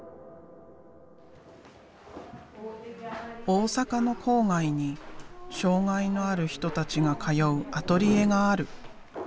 大阪の郊外に障害のある人たちが通うアトリエがある。